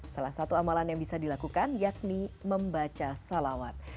salah satu amalan yang bisa dilakukan yakni membaca salawat